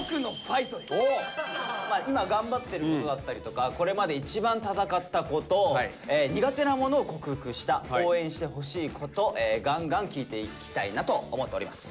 今頑張ってることだったりとかこれまで一番戦ったこと苦手なものを克服した応援してほしいことがんがん聞いていきたいなと思っております。